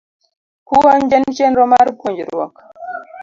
Puonj en chenro mar puonjruok